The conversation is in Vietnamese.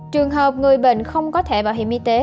trường hợp người bệnh không có thẻ bảo hiểm y tế